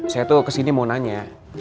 saya tuh kesini mau nanya